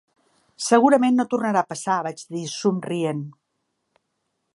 "Segurament no tornarà a passar" vaig dir, somrient.